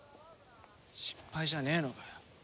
心配じゃねえのかよ？